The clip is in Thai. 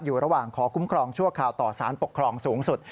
ระหว่างขอคุ้มครองชั่วคราวต่อสารปกครองสูงสุด